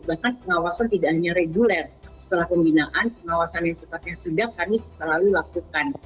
bahkan pengawasan tidak hanya reguler setelah pembinaan pengawasan yang sifatnya sudah kami selalu lakukan